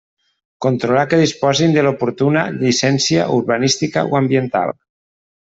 Controlar que disposin de l'oportuna llicència urbanística o ambiental.